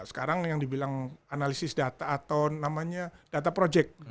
sekarang yang dibilang analisis data atau namanya data project